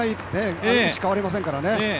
位置、変わりませんからね。